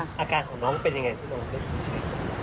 อาการของน้องเป็นอย่างไรที่น้องไม่ได้ติดเชื้อ